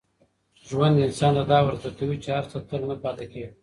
ژوند انسان ته دا ور زده کوي چي هر څه تل نه پاتې کېږي.